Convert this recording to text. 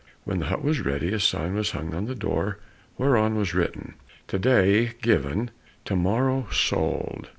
When the hut was ready, a sign was hung on the door whereon was written, "To day given, to morrow sold."